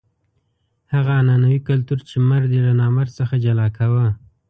هغه عنعنوي کلتور چې مرد یې له نامرد څخه جلا کاوه.